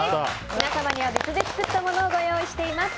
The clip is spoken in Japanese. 皆様には別で作ったものをご用意しております。